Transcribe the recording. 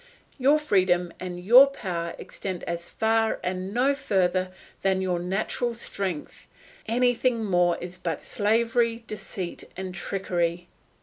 Your freedom and your power extend as far and no further than your natural strength; anything more is but slavery, deceit, and trickery.